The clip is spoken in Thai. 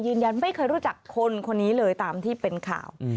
ยืนยันไม่เคยรู้จักคนคนนี้เลยตามที่เป็นข่าว